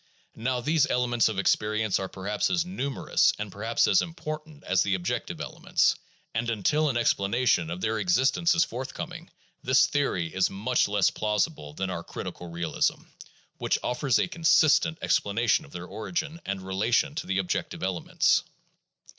Now these elements of experience are perhaps as numerous and perhaps as im portant as the objective elements ; and until an explanation of their existence is forthcoming, this theory is much less plausible than our critical realism, which offers a consistent explanation of their origin and relation to the objective elements.